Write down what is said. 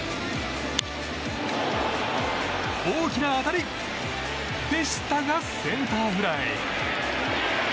大きな当たり！でしたがセンターフライ。